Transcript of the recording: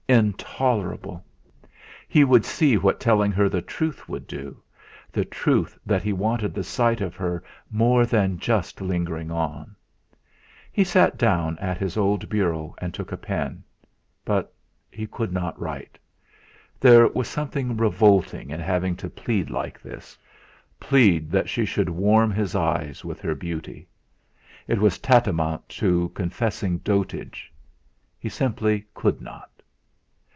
Intolerable! He would see what telling her the truth would do the truth that he wanted the sight of her more than just a lingering on. He sat down at his old bureau and took a pen. But he could not write. There was something revolting in having to plead like this; plead that she should warm his eyes with her beauty. It was tantamount to confessing dotage. He simply could not.